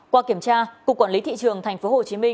qua kiểm tra cục quản lý thị trường tp hcm